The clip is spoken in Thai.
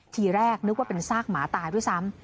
ทีแรกนึกว่าเป็นซากหมาตายด้วยซ้ำ